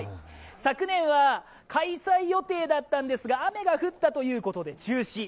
昨年は開催予定だったんですが、雨が降ったということで中止。